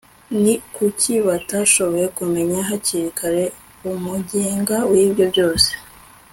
ni kuki batashoboye kumenya hakiri kare umugenga w'ibyo byose